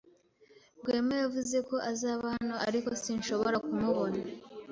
Rwema yavuze ko azaba hano, ariko sinshobora kumubona.